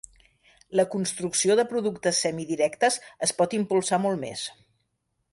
La construcció de productes semidirectes es pot impulsar molt més.